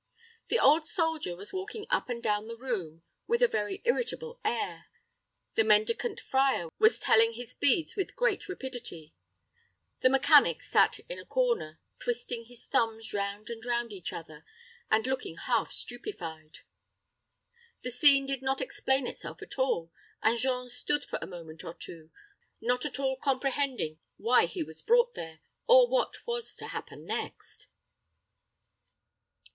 The old soldier was walking up and down the room with a very irritable air; the mendicant friar was telling his beads with great rapidity; the mechanic sat in a corner, twisting his thumbs round and round each other, and looking half stupefied. The scene did not explain itself at all, and Jean stood for a moment or two, not at all comprehending why he was brought there, or what was to happen next.